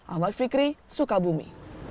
ahmad fikri sukabumi